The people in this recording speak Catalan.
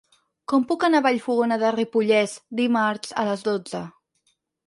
Com puc anar a Vallfogona de Ripollès dimarts a les dotze?